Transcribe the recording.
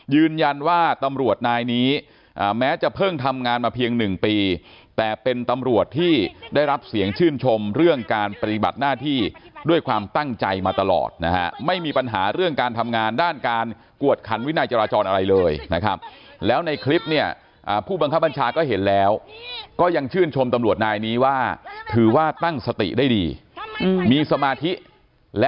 ยืนยันว่าตำรวจนายนี้แม้จะเพิ่งทำงานมาเพียงหนึ่งปีแต่เป็นตำรวจที่ได้รับเสียงชื่นชมเรื่องการปฏิบัติหน้าที่ด้วยความตั้งใจมาตลอดนะฮะไม่มีปัญหาเรื่องการทำงานด้านการกวดขันวินัยจราจรอะไรเลยนะครับแล้วในคลิปเนี่ยผู้บังคับบัญชาก็เห็นแล้วก็ยังชื่นชมตำรวจนายนี้ว่าถือว่าตั้งสติได้ดีมีสมาธิและ